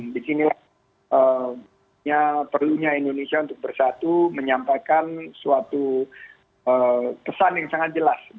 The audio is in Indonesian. di sinilah perlunya indonesia untuk bersatu menyampaikan suatu pesan yang sangat jelas